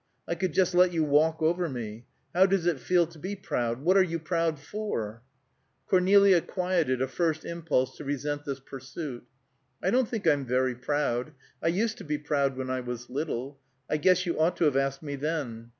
I could just let you walk over me. How does it feel to be proud? What are you proud for?" Cornelia quieted a first impulse to resent this pursuit. "I don't think I'm very proud. I used to be proud when I was little; I guess you ought to have asked me then."